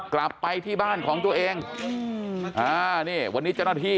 กลับไปที่บ้านของตัวเองอืมอ่านี่วันนี้เจ้าหน้าที่